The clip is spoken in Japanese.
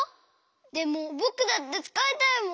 でもぼくだってつかいたいもん。